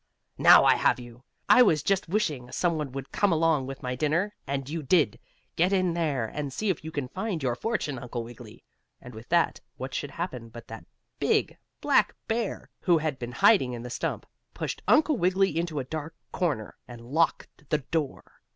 Now I have you! I was just wishing some one would come along with my dinner, and you did! Get in there, and see if you can find your fortune, Uncle Wiggily!" And with that what should happen but that big, black bear, who had been hiding in the stump, pushed Uncle Wiggily into a dark closet, and locked the door!